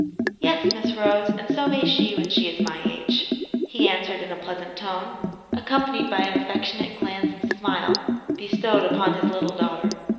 "Yes, Miss Rose; and so may she when she is my age," he answered in a pleasant tone, accompanied by an affectionate glance and smile bestowed upon his little daughter.